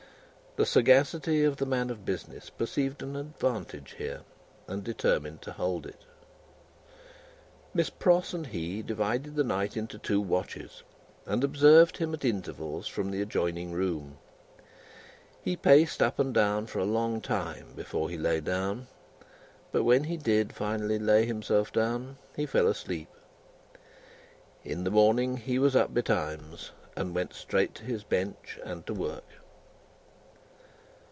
The sagacity of the man of business perceived an advantage here, and determined to hold it. Miss Pross and he divided the night into two watches, and observed him at intervals from the adjoining room. He paced up and down for a long time before he lay down; but, when he did finally lay himself down, he fell asleep. In the morning, he was up betimes, and went straight to his bench and to work.